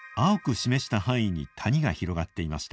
示した範囲に谷が広がっていました。